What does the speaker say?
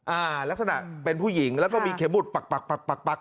อ่าลักษณะเป็นผู้หญิงแล้วก็มีเขมบุตรปัก